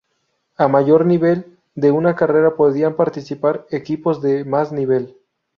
A mayor nivel de una carrera podían participar equipos de más nivel.